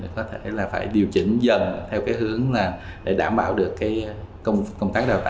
có thể là phải điều chỉnh dần theo cái hướng là để đảm bảo được cái công tác đào tạo đảm bảo chất lượng đầu ra